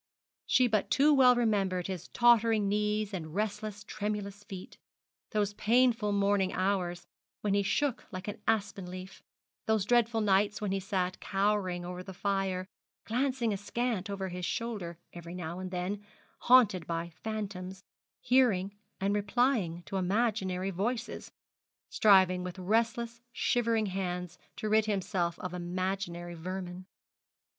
She but too well remembered his tottering knees, and restless, tremulous feet: those painful morning hours when he shook like an aspen leaf: those dreadful nights, when he sat cowering over the fire, glancing askant over his shoulder every now and then, haunted by phantoms, hearing and replying to imaginary voices, striving with restless, shivering hands to rid himself of imaginary vermin.